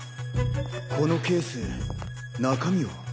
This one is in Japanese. このケース中身は？